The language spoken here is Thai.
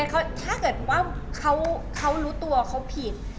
ถ้าเกิดว่าเขารู้ตัวเขาผิด